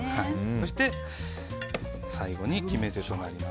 そして最後に決め手となります